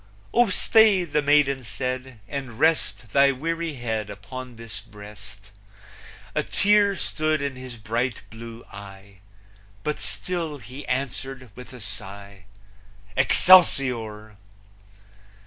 "Oh stay," the maiden said, "and rest Thy weary head upon this breast!" A tear stood in his bright blue eye, But still he answered, with a sigh, Excelsior!